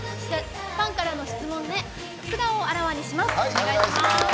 ファンからの質問で素顔をあらわにします。